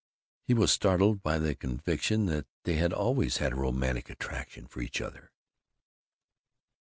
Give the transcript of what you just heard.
He was startled by the conviction that they had always had a romantic attraction for each other.